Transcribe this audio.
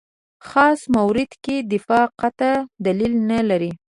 خاص مورد کې دفاع قاطع دلیل نه لري.